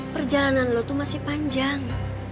perjalanan lo masih panjang